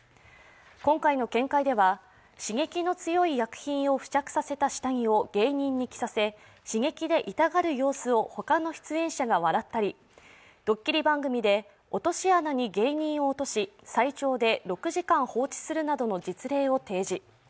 今回の見解では、刺激の強い薬品を付着させた下着を芸人に着させ刺激で痛がる様子を他の出演者が笑ったりドッキリ番組で落とし穴に芸人を落とし最長で６時間放置するなどの実例を提示。